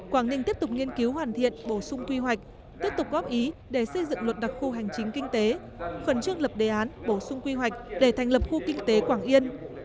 quảng ninh tiếp tục nghiên cứu hoàn thiện bổ sung quy hoạch tiếp tục góp ý để xây dựng luật đặc khu hành chính kinh tế khẩn trương lập đề án bổ sung quy hoạch để thành lập khu kinh tế quảng yên